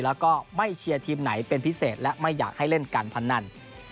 แล้วก็ไม่เชียร์ทีมไหนเป็นพิเศษและไม่อยากให้เล่นการพนัน